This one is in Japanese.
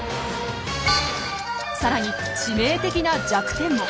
さらに致命的な弱点も。